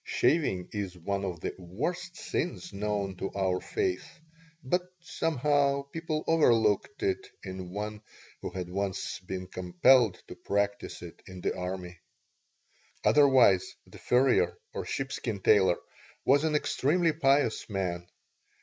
Shaving is one of the worst sins known to our faith, but, somehow, people overlooked it in one who had once been compelled to practise it in the army. Otherwise the furrier or sheepskin tailor was an extremely pious man.